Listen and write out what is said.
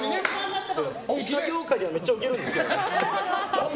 医療業界ではめっちゃウケるんですけど。